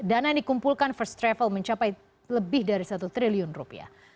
dana yang dikumpulkan first travel mencapai lebih dari satu triliun rupiah